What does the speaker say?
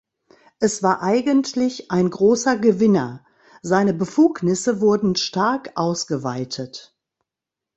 Es war eigentlich ein großer Gewinner, seine Befugnisse wurden stark ausgeweitet.